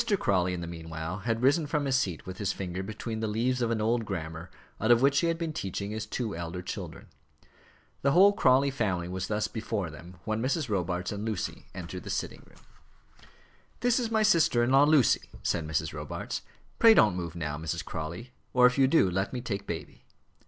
Crawley, in the meanwhile, had risen from his seat with his finger between the leaves of an old grammar out of which he had been teaching his two elder children. The whole Crawley family was thus before them when Mrs. Robarts and Lucy entered the sitting room. [Illustration: The Crawley Family.] "This is my sister in law, Lucy," said Mrs. Robarts. "Pray don't move now, Mrs. Crawley; or if you do, let me take baby."